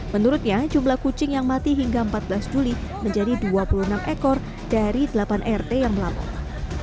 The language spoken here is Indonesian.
menurutnya jumlah kucing yang mati hingga empat belas juli menjadi dua puluh enam ekor dari delapan rt yang melapor